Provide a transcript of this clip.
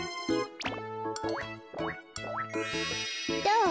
どう？